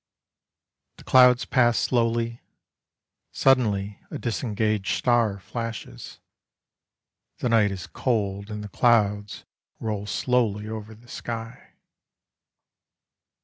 The clouds pass slowly: Suddenly a disengaged star flashes. The night is cold and the clouds Roll slowly over the sky.